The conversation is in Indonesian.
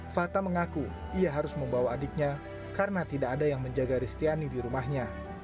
fata mengaku ia harus membawa adiknya karena tidak ada yang menjaga ristiani di rumahnya